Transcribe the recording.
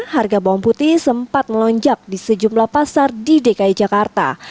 harga bawang putih sempat melonjak di sejumlah pasar di dki jakarta